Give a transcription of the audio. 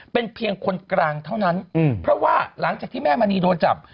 เป็นเพียงคนกลางเท่านั้นเพราะว่าหลังจากที่แม่มณีโดนจับ